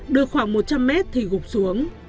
được khoảng một trăm linh m thì gục xuống